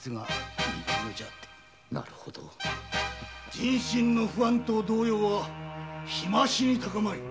人心の不安と動揺は日増しに高まり